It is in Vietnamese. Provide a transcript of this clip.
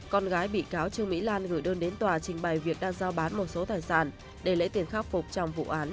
con gái bị cáo trương mỹ lan gửi đơn đến tòa trình bày việc đang giao bán một số tài sản để lấy tiền khắc phục trong vụ án